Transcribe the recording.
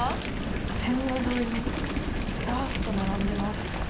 線路沿いにずらっと並んでいます。